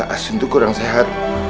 asin itu kurang sehat